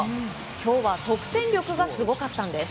今日は得点力がすごかったんです。